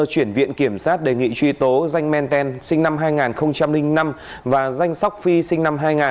chuyển viện kiểm sát đề nghị truy tố danh men ten sinh năm hai nghìn năm và danh sóc phi sinh năm hai nghìn